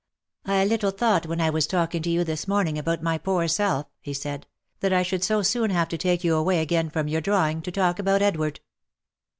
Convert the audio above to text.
" I little thought when I was talking to you this morning about my poor self," he said, " that I should so soon have to take you away again from your drawing, to talk about Edward."